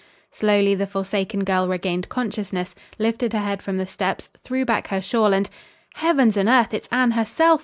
Slowly the forsaken girl regained consciousness, lifted her head from the steps, threw back her shawl, and "Heavens and earth, it's Anne herself!"